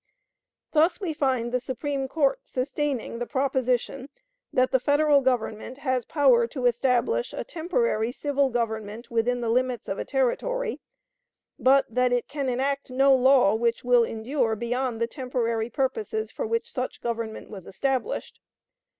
" Thus we find the Supreme Court sustaining the proposition that the Federal Government has power to establish a temporary civil government within the limits of a Territory, but that it can enact no law which will endure beyond the temporary purposes for which such government was established.